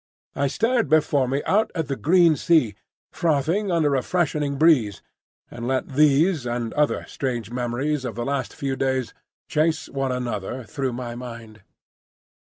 I stared before me out at the green sea, frothing under a freshening breeze, and let these and other strange memories of the last few days chase one another through my mind.